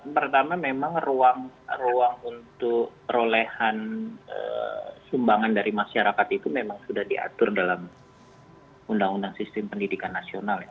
pertama memang ruang untuk perolehan sumbangan dari masyarakat itu memang sudah diatur dalam undang undang sistem pendidikan nasional ya